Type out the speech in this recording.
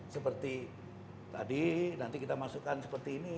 seperti tadi nanti kita masukkan seperti ini